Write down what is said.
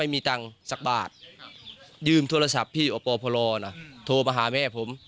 ไม่มีตังค์สักบาทยืมโทรศัพท์พี่อปพลโทรมาหาแม่ผม